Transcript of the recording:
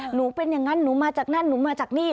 หนูเป็นอย่างนั้นหนูมาจากนั่นหนูมาจากนี่